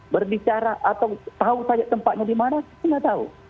berbicara atau tahu saja tempatnya di mana saya nggak tahu